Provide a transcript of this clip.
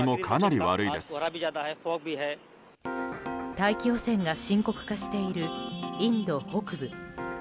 大気汚染が深刻化しているインド北部。